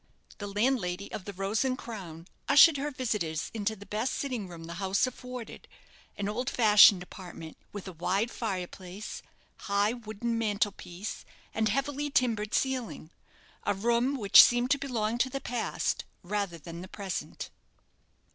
The landlady of the "Rose and Crown" ushered her visitors into the best sitting room the house afforded an old fashioned apartment, with a wide fire place, high wooden mantel piece, and heavily timbered ceiling a room which seemed to belong to the past rather than the present.